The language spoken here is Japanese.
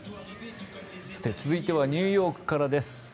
続いてはニューヨークからです。